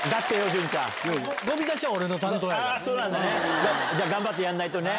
潤ちゃん。じゃあ頑張ってやんないとね！